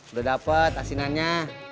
udah dapet asinannya